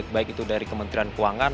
baik itu dari kementerian keuangan